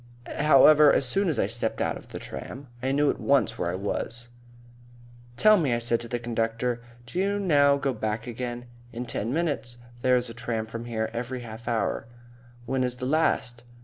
However, as soon as I stepped out of the tram, I knew at once where I was. "Tell me," I said to the conductor, "do you now go back again?" "In ten minutes. There's a tram from here every half hour." "When is the last?"